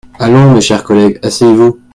Allons, mes chers collègues, asseyez-vous.